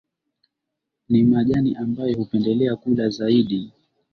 Ni majani ambayo hupendelea kula zaidi